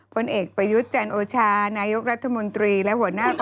ประยุทธ์จันทร์โอชานายุครัฐมนตรีและหัวหน้าก็ยังชอบ